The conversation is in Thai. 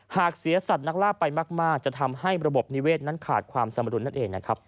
หากเสียสัตว์นักล่าไปมากจะทำให้ระบบนิเวศนั้นขาดความสมรุนนั่นเองนะครับ